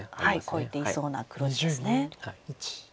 超えていそうな黒地ですね。